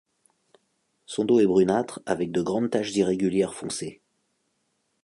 Son dos est brunâtre avec de grandes taches irrégulières foncées.